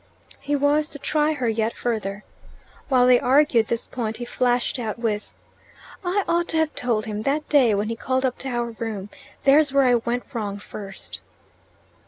He was to try her yet further. While they argued this point he flashed out with, "I ought to have told him that day when he called up to our room. There's where I went wrong first."